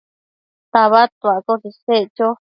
tabadtuaccoshe isec cho